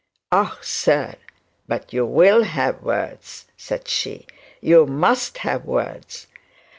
'Ah, sire, but you will have words,' said she; 'you must have words.